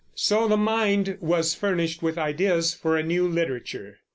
So the mind was furnished with ideas for a new literature.